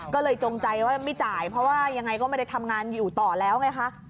ก็เลยจงใจว่าไม่จ่ายเพราะว่ายังไงก็ไม่ได้ทำงานอยู่ต่อแล้วไงคะ